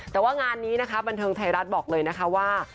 แต่ว่างานนี้นะคะบันเทิงไทยรัฐบอกเลยนะคะว่า